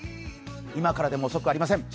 今からでも遅くありません。